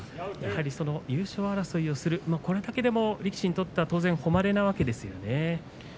やはり優勝争いをするこれだけでも力士にとっては当然、誉れなわけですよね。